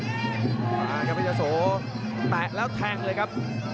ดับปลายปืนกำลังจะโสแตะแล้วแทงเลยครับ